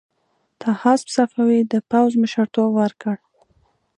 طاهاسپ صفوي د پوځ مشرتوب ورکړ.